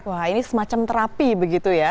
wah ini semacam terapi begitu ya